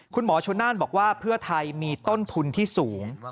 คุณหมอชนน่านบอกว่าเพื่อไทยมีต้นทุนที่สูง